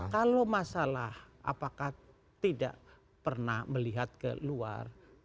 kalau masalah apakah tidak pernah melihat ke luar